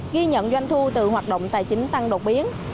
ghi nhận doanh thu từ hoạt động tài chính tăng đột biến